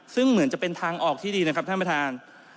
ซึ่งเหมือนจะเป็นทางออกที่ดีนะครับท่านประธาน